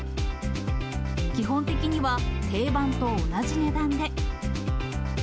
基本的には、定番と同じ値段で。